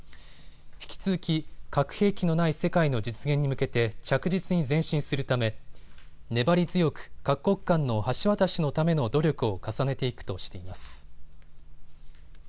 引き続き核兵器のない世界の実現に向けて着実に前進するため粘り強く各国間の橋渡しのための努力を重ねていくとしています。